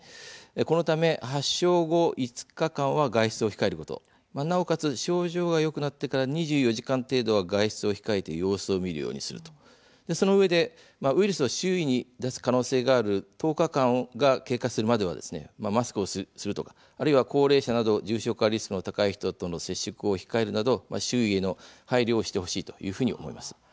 このため発症後５日間は外出を控えることなおかつ症状がよくなってから２４時間程度は外出を控えて様子を見ることそのうえでウイルスを周囲に出す可能性がある１０日間が経過するまではマスクをするあるいは高齢者など重症化リスクの高い人との接触を控えるなど周囲への配慮をしてほしいと思います。